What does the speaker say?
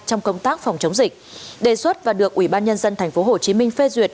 trong công tác phòng chống dịch đề xuất và được ủy ban nhân dân thành phố hồ chí minh phê duyệt